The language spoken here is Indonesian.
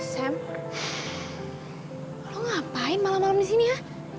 sam lo ngapain malam malam di sini ya